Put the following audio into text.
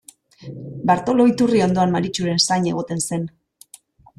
Bartolo iturri ondoan Maritxuren zain egoten zen.